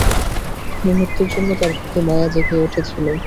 মুহূর্তের জন্য, তার প্রতি মায়া জেগে উঠেছিল।